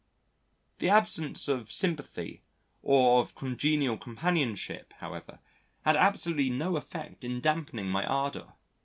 The absence of sympathy or of congenial companionship, however, had absolutely no effect in damping my ardour.